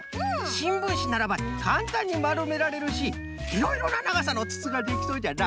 しんぶんしならばかんたんにまるめられるしいろいろなながさのつつができそうじゃな。